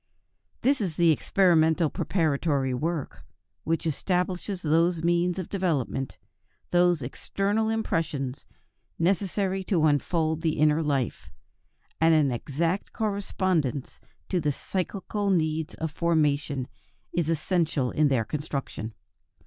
This is the experimental preparatory work, which establishes those means of development, those external impressions, necessary to unfold the inner life, and an exact correspondence to the psychical needs of formation is essential in their construction.